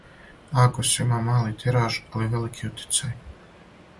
Агос има мали тираж, али велики утицај.